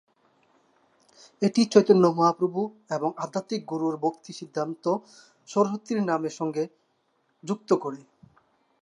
এটি চৈতন্য মহাপ্রভু এবং আধ্যাত্মিক গুরু ভক্তি সিদ্ধান্ত সরস্বতীর নামের সঙ্গে যুক্ত করে।